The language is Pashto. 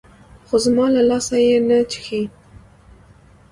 خو زما له لاسه يې نه چښي.